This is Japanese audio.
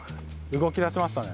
動きだしましたね。